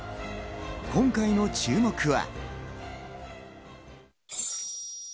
今回の注目は。